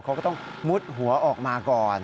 เขาก็ต้องมุดหัวออกมาก่อน